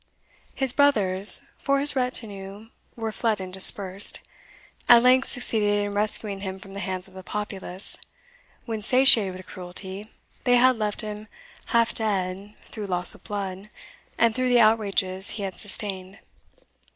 His brothers (for his retinue were fled and dispersed) at length succeeded in rescuing him from the hands of the populace, when, satiated with cruelty, they had left him half dead through loss of blood, and through the outrages he had sustained.